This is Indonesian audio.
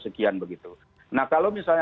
sekian begitu nah kalau misalnya